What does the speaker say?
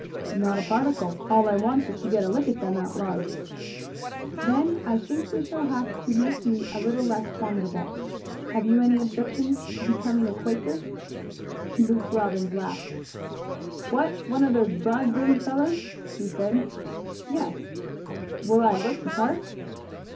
"Not a particle. All I want is to get a lick at them outlaws." "Then I think we shall have to make you a little less formidable. Have you any objections to becoming a Quaker?" Luke Robbins laughed. "What, one of those broad brimmed fellows?" he said. "Yes." "Will I look the part?"